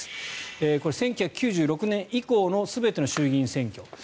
これは１９９６年以降の全ての衆議院選挙。